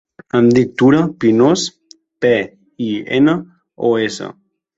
Em dic Tura Pinos: pe, i, ena, o, essa.